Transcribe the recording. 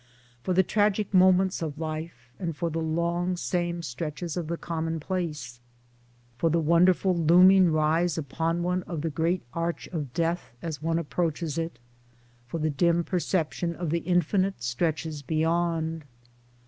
For the tragic moments of life, and for the long same stretches of the commonplace; For the wonderful looming rise upon one of the great Towards Democracy 105 Arch of Death as one approaches it, for the dim perception of the infinite stretches beyond